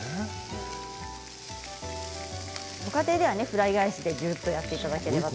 ご家庭ではフライ返しでぎゅっとやっていただければ。